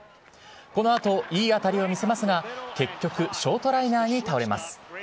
このあといい当たりを見せますが、結局、ショートライナーに倒れます。